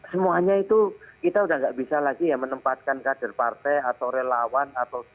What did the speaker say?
semuanya itu kita sudah tidak bisa lagi menempatkan kader partai atau relawan